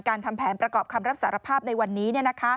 ทำแผนประกอบคำรับสารภาพในวันนี้